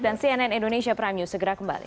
dan cnn indonesia prime news segera kembali